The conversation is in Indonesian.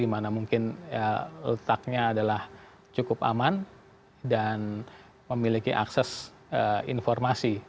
di mana mungkin letaknya adalah cukup aman dan memiliki akses informasi